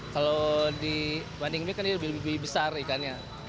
kalau dibanding ini kan lebih besar ikannya